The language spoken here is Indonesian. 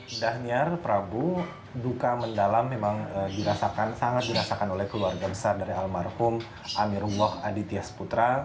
indah prabu duka mendalam memang dirasakan sangat dirasakan oleh keluarga besar dari almarhum amirullah aditya sputra